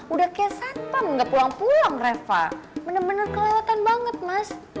udah kayak satpam gak pulang pulang reva bener bener kelewatan banget mas